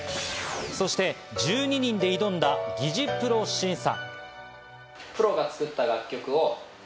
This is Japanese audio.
そして１２人で挑んだ擬似プロ審査。